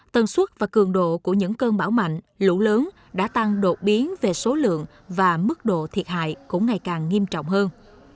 tần suất và cường độ của những cơn bão mạnh lũ lớn đã tăng đột biến về số lượng và mức độ thiệt hại cũng ngày càng nghiêm trọng hơn